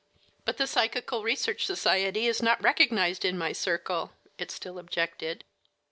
"But the Psychical Research Society is not recognized in my circle," it still objected.